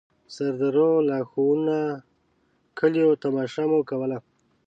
سردرو، لاښونو، کليو تماشه مو کوله.